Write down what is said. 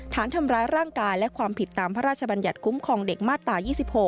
ฐานทำร้ายร่างกายและความผิดตามพระราชบัญญัติคุ้มครองเด็กมาตรา๒๖